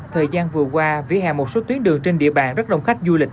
thời gian vừa qua vỉa hè một số tuyến đường trên địa bàn rất đông khách du lịch